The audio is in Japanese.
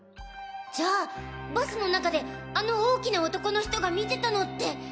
じゃあバスの中であの大きな男の人が見てたのって。